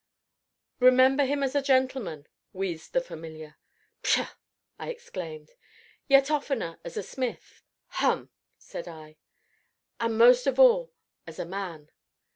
" remember him as a gentleman," wheezed the familiar. "Psha!" I exclaimed. " yet oftener as a smith " "Hum!" said I. " and most of all as a man."